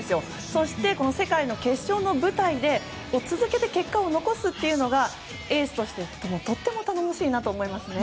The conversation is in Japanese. そして、世界の決勝の舞台で続けて結果を残すっていうのがエースとしてとても頼もしいなと思いますね。